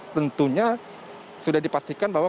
tentunya sudah dipastikan bahwa